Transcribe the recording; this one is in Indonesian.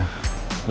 ntar dulu lira